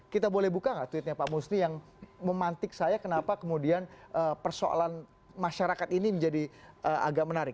kita boleh buka nggak tweetnya pak musni yang memantik saya kenapa kemudian persoalan masyarakat ini menjadi agak menarik